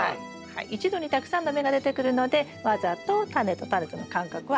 一度にたくさんの芽が出てくるのでわざとタネとタネとの間隔は空けて頂きます。